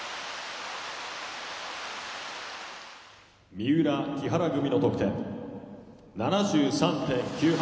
「三浦木原組の得点７３．９８」。